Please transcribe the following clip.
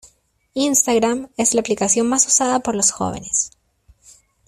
Instagram es la aplicación más usada por los jóvenes.